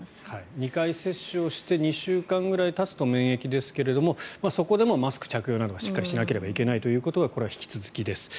２回接種をして２週間くらいたつと免疫ですけれどそこでもマスク着用などはしっかりしなければいけないのはこれは引き続きです。